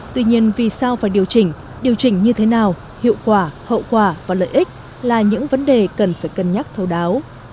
tuy nhiên vì sao phải điều chỉnh điều chỉnh như thế nào hiệu quả hậu quả và lợi ích là những vấn đề cần phải cân nhắc thấu đáo